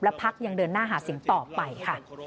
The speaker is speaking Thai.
และพรรคยังเดินหน้าหาสิ่งต่อไปค่ะ